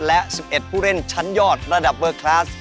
และ๑๑ผู้เล่นชั้นยอดระดับเวอร์คลาส